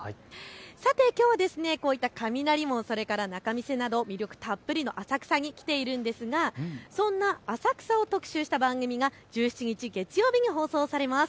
さて、きょうはこういった雷門、それから仲見世などの魅力たっぷりの浅草に来ているんですが、そんな浅草を特集した番組が１７日、月曜日に放送されます。